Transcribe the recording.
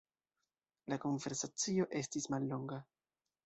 La konversacio estis mallonga.